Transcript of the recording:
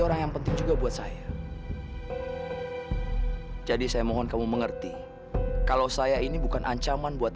orang yang penting juga buat saya jadi saya mohon kamu mengerti kalau saya ini bukan ancaman buat